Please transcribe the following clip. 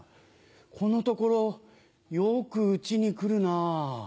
このところよくうちに来るなぁ。